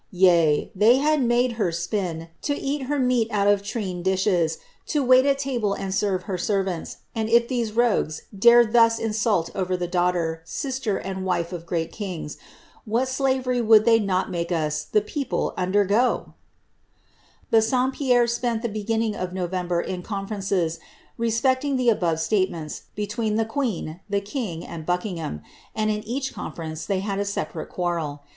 Tea, they have made her spin, to eat her meat out of treen ' dishes, to wait kt table, and serve her servants ; and if these rogues dare thus insult over the daughter, sister, and wife of great kings, what slavery would they not make us, the people, undergo r" Bassompierre spent the beginning of November in conferences, re specting the above statements, between the queen, the king, and Buck ingham; and in each conference they had a separate quarrel.